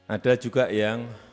ada juga yang